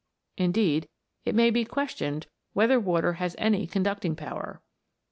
Indeed, it may be questioned whether water has any conducting power.